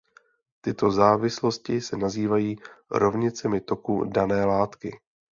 Tyto závislosti se nazývají "rovnicemi toku" dané látky.